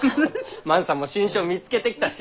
万さんも新種を見つけてきたし！